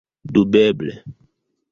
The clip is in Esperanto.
Dubeble!